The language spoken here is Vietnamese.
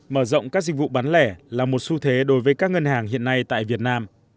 mở rộng các dịch vụ bán lẻ là một xu thế đối với các ngân hàng hiện nay tại việt nam